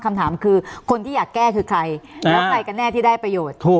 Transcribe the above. คำถามคือคนที่อยากแก้คือใครแล้วใครกันแน่ที่ได้ประโยชน์